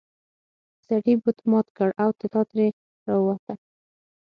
سړي بت مات کړ او طلا ترې راووته.